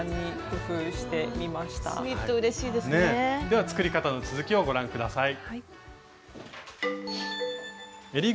では作り方の続きをご覧下さい。